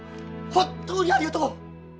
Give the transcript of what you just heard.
本当にありがとう！